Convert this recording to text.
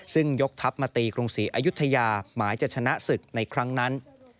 ซึ่งยกทัพมาตีกรุงศรีอายุทยาหมายจะชนะศึกในครั้งนั้น